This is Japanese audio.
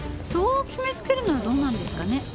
そう決めつけるのはどうなんですかね？